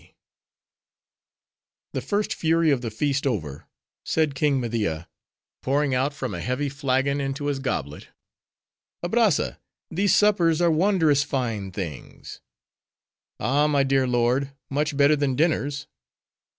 —" The first fury of the feast over, said King Media, pouring out from a heavy flagon into his goblet, "Abrazza, these suppers are wondrous fine things." "Ay, my dear lord, much better than dinners."